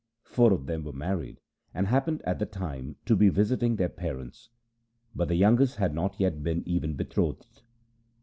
Four of them were married, and happened at the time to be visiting their parents, but the youngest had not yet been even betrothed.